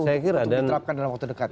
untuk diterapkan dalam waktu dekat